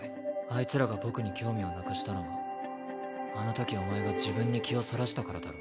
あいつらが僕に興味をなくしたのはあのときお前が自分に気をそらしたからだろ。